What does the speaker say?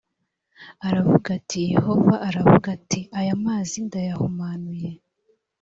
aravuga ati yehova aravuze ati aya mazi ndayahumanuye